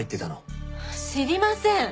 知りません！